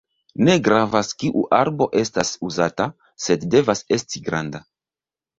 Ne gravas kiu arbo estas uzata, sed devas esti granda.